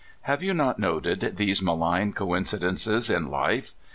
Have you not noted these malign coincidences in life?